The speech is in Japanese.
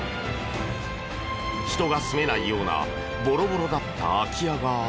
人が住めないようなボロボロだった空き家が。